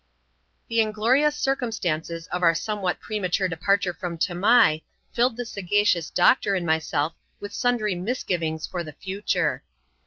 The inglorious circumstances of our somewhat premature de parture from Tamai, filled the sagacious doctor and myself with sundry misgivings for the future.